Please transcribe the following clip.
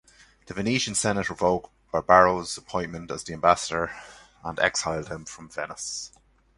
The Venetian Senate revoked Barbaro's appointment as ambassador and exiled him from Venice.